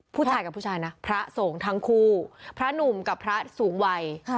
ผู้ชายกับผู้ชายนะพระสงฆ์ทั้งคู่พระหนุ่มกับพระสูงวัย